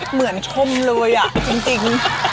เหมือนชมเลยจริง